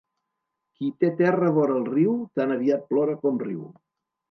Qui té terra vora el riu, tan aviat plora com riu.